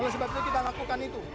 oleh sebab itu kita lakukan itu